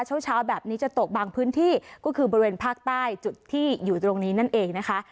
เช้าเช้าแบบนี้จะตกบางพื้นที่ก็คือบริเวณภาคใต้จุดที่อยู่ตรงนี้นั่นเองนะคะ